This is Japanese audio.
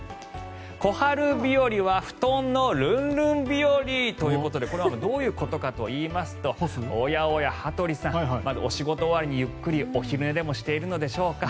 小春日和は布団のるんるん日和ということでこれはどういうことかといいますとおやおや、羽鳥さんお仕事終わりにゆっくりお昼寝でもしているのでしょうか。